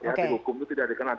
hukum itu tidak dikenal